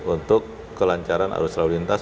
untuk kelancaran arus lalu lintas